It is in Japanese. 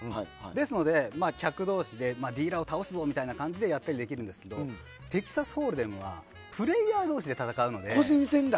ですので、客同士でディーラーを倒すぞ！って感じでやったりできるんですがテキサスホールデムはプレーヤー同士で戦うので。